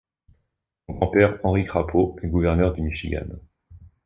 Son grand-père Henry Crapo est gouverneur du Michigan.